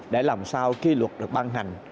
để làm sao khi luật được ban hành